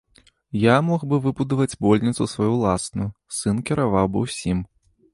Я мог бы выбудаваць больніцу сваю ўласную, сын кіраваў бы ўсім.